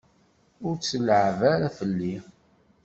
Ur tt-leεεeb ara fell-i!